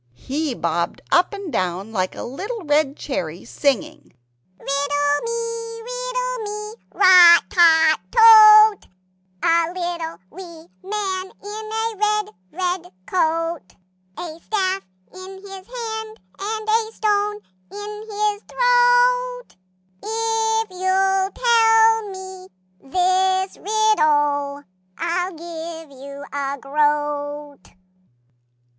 He bobbed up and down like a little red CHERRY, singing "Riddle me, riddle me, rot tot tote! A little wee man, in a red red coat! A staff in his hand, and a stone in his throat; If you'll tell me this riddle, I'll give you a groat."